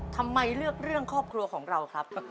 ทำไมเลือกเรื่องครอบครัวของเราครับ